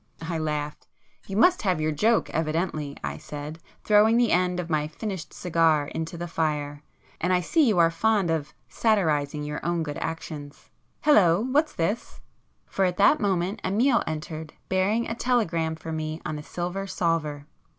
I laughed "You must have your joke evidently"—I said, throwing the end of my finished cigar into the fire—"And I see you are fond of satirizing your own good actions. Hullo, what's this?" For at that moment Amiel entered, bearing a telegram for me on a silver salver.